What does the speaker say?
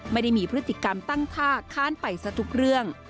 ไม่ได้มีพฤติกรรมตั้งค่าค้านไปซะทุกเรื่อง